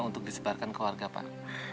untuk disebarkan ke warga pak